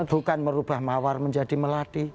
bukan merubah mawar menjadi melati